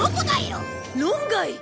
論外！